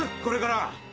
これから。